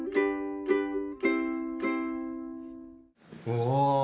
お！